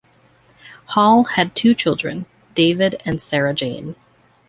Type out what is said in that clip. Hall had two children, David and Sarah Jane.